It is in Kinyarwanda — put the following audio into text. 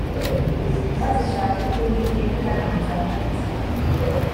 maze ijambo ry uwiteka rinzaho riti